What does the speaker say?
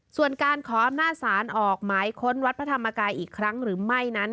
ส่วนการขออำนาจศาลออกหมายค้นวัดพระธรรมกายอีกครั้งหรือไม่นั้น